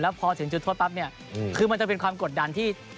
พอถึงจุดโทษปั๊บเนี่ยคือมันจะเป็นความกดดันที่